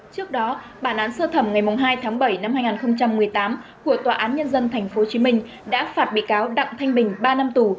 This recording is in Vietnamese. trước đó bản án sơ thẩm ngày hai tháng bảy năm hai nghìn một mươi tám của tòa án nhân dân tp hcm đã phạt bị cáo đặng thanh bình ba năm tù